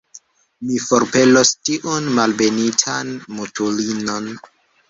Mi forpelos tiun malbenitan mutulinon!